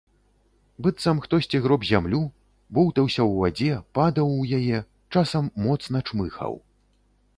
Быццам хтосьці гроб зямлю, боўтаўся ў вадзе, падаў у яе, часам моцна чмыхаў.